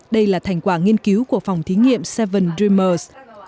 đây là thành quả nghiên cứu của phòng thí nghiệm seven dreamers